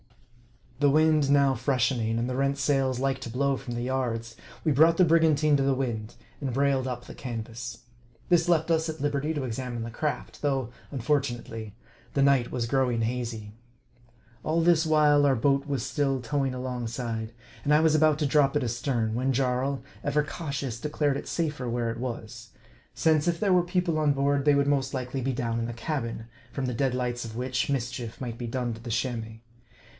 The wind now freshening, and the rent sails like to blow from the yards, we brought the brigantine to the wind, and br ailed up the canvas. This left us at liberty to examine the craft, though, unfortunately, the night was growing hazy. All this while our boat was still towing alongside ; and I was about to drop it astern, when Jarl, ever cautious, de clared it safer where it was ; since, if there were people on board, they would most likely be down in the cabin, from the dead lights of which, mischief might be done to the Chamois.